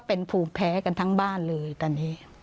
เป็นภูมิแพ้กันทั้งบ้านเลยตอนนี้